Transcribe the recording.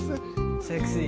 セクシー！